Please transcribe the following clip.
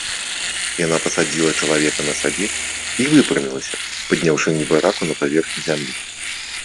Яна пасадзіла чалавека на сябе і выпрамілася, падняўшы небараку на паверхню зямлі.